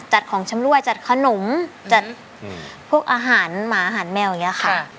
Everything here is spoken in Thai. จัดของชำรวยจัดขนมจัดพวกอาหารหมาอาหารแมวอย่างนี้ค่ะ